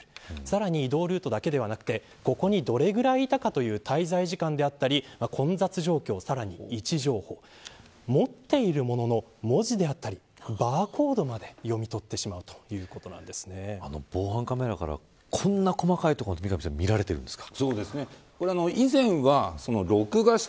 さらに、移動ルートだけではなくここに、どれぐらいいたかという滞在時間であったり混雑状況位置情報、さらには持っている物の文字であったりバーコードまで読み取ってしまう防犯カメラからこんな細かいところまで見られているんですか。